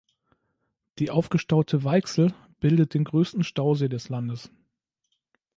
Die aufgestaute Weichsel bildet den größten Stausee des Landes.